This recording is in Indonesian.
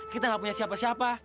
kita gak punya siapa siapa